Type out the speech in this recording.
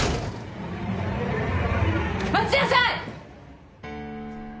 待ちなさい！